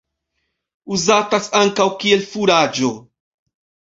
Uzatas ankaŭ kiel furaĝo.